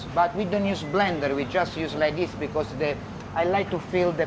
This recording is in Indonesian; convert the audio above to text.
tapi kami tidak menggunakan blender kami hanya menggunakan seperti ini karena saya suka merasakan kelembapan